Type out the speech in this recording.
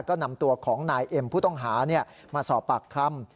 ก็นำตัวของนายเอ็มผู้ต้องหามาสอบปากคำ